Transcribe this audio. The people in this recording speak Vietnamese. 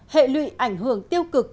hệ lụy ảnh hưởng tiêu cực